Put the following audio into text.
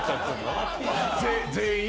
全員？